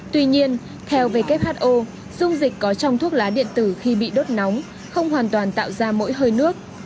tuy nhiên theo who dung dịch có trong thuốc lá điện tử khi bị đốt nóng không hoàn toàn tạo ra mỗi hơi nước